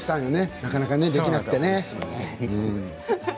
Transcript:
なかなかできなくてね。